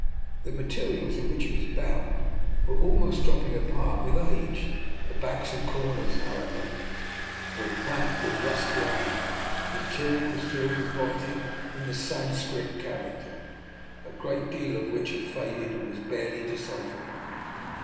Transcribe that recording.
The materials in which it was bound were almost dropping apart with age; the backs and corners, however, were clamped with rusty iron. The interior was filled with writing in the Sanskrit character, a great deal of which had faded and was barely decipherable.